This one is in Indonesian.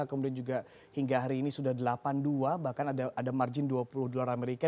kemudian juga hingga hari ini sudah delapan puluh dua bahkan ada margin dua puluh dolar amerika